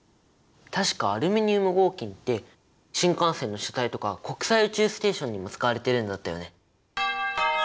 確かアルミニウム合金って新幹線の車体とか国際宇宙ステーションにも使われてるんだったよね？